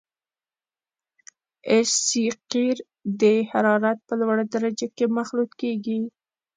اس سي قیر د حرارت په لوړه درجه کې مخلوط کیږي